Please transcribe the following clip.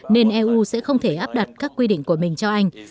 nên eu sẽ không thể áp đặt các quy định của mình cho anh